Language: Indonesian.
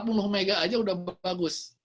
empat puluh mhz aja udah bagus